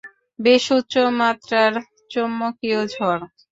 বেশ উচ্চমাত্ত্রার চৌম্বকীয় ঝড়!